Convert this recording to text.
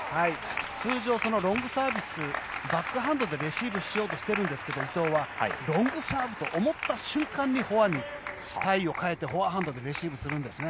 通常ロングサービスをバックハンドでレシーブしようと思っているんですけど伊藤はロングサーブと思った瞬間にフォアに体を変えてフォアハンドでレシーブするんですね。